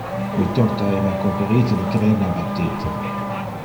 Le torta era coperite de crema battite.